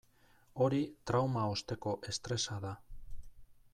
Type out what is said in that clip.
Hori trauma osteko estresa da.